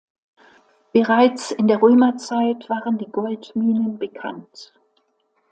Bereits in der Römerzeit waren die Goldminen bekannt.